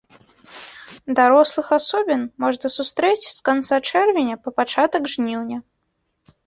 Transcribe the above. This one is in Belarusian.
Дарослых асобін можна сустрэць з канца чэрвеня па пачатак жніўня.